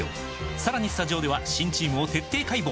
さらにスタジオでは新チームを徹底解剖！